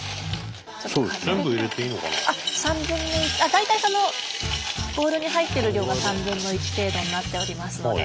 大体そのボウルに入ってる量が３分の１程度になっておりますので。